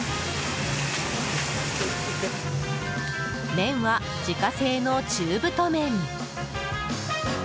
麺は、自家製の中太麺。